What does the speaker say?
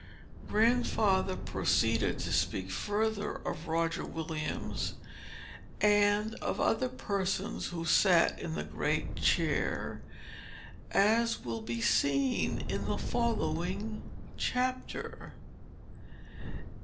Grandfather proceeded to speak further of Roger Williams, and of other persons who sat in the great chair, as will be seen in the following chapter.